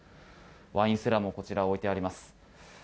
ワインセラーも置いてあります。